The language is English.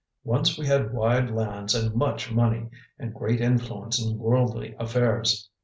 "Once we had wide lands and much money, and great influence in worldly affairs.